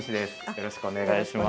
よろしくお願いします。